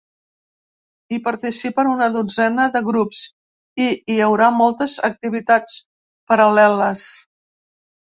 Hi participen una dotzena de grups i hi haurà moltes activitats paral·leles.